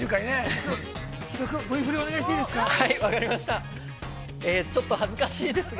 ちょっと木戸君Ｖ振りお願いしていいですか。